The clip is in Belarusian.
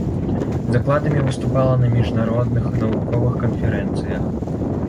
З дакладамі выступала на міжнародных навуковых канферэнцыях.